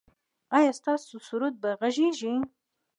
ایا ستاسو سرود به غږیږي؟